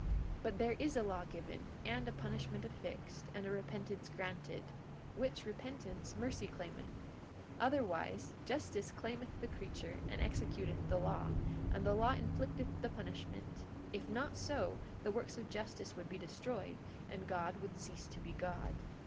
42:22 But there is a law given, and a punishment affixed, and a repentance granted; which repentance mercy claimeth; otherwise, justice claimeth the creature and executeth the law, and the law inflicteth the punishment; if not so, the works of justice would be destroyed, and God would cease to be God.